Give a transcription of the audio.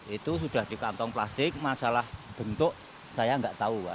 itu sudah di kantong plastik masalah bentuk saya nggak tahu